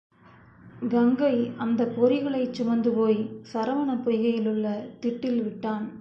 கங்கை அந்தப் பொறிகளைச் சுமந்து போய்ச் சரவணப் பொய்கையிலுள்ள திட்டில் விட்டான்.